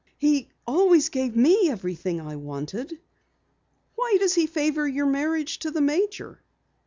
He always gave me everything I wanted." "Why does he favor your marriage to the Major?"